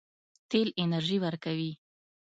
تیل انرژي ورکوي.